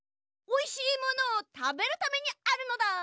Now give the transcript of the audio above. おいしいものをたべるためにあるのだ！